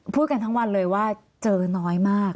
พูดกันทั้งวันเลยว่าเจอน้อยมาก